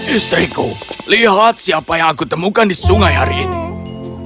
istriku lihat siapa yang aku temukan di sungai hari ini